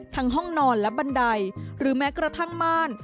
ห้องนอนและบันไดหรือแม้กระทั่งม่าน